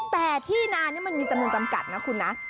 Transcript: แต่ที่นานนี่มันมีจำนวนจำกัดนะคุณนะ